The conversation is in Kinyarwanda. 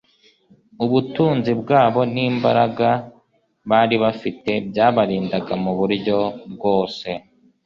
ubutunzi bwabo n' imbaraga bari bafite byabarindaga mu buryo bwose,